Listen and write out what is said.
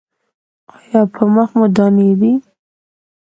ایا په مخ مو دانې دي؟